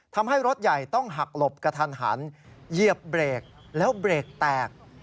ทำให้รถใหญ่ต้องหักหลบกระทันหันเหยียบเบรกแล้วเบรกแตก